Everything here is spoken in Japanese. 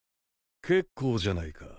・結構じゃないか。